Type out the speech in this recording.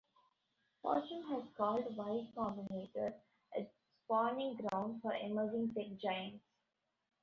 "Fortune" has called Y Combinator "a spawning ground for emerging tech giants".